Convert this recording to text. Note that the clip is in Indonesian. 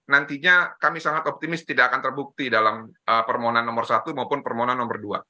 nantinya kami sangat optimis tidak akan terbukti dalam permohonan nomor satu maupun permohonan nomor dua